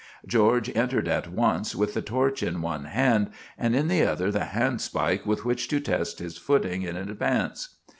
George entered at once, with the torch in one hand, and in the other the handspike with which to test his footing in advance.